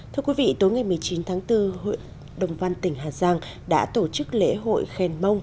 thưa quý vị tối ngày một mươi chín tháng bốn hội đồng văn tỉnh hà giang đã tổ chức lễ hội khen mông